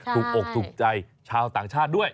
ถูกอกถูกใจชาวต่างชาติด้วย